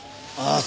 ああ。